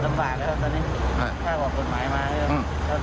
เราก็ไม่ได้มีรถถือวัดตู้ด้วยครับ